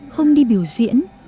không đi biểu diễn